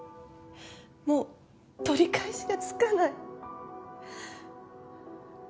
もう取り返しがつかない。